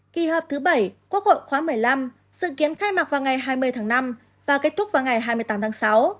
kỳ họp thứ bảy quốc hội khóa một mươi năm dự kiến khai mạc vào ngày hai mươi tháng năm và kết thúc vào ngày hai mươi tám tháng sáu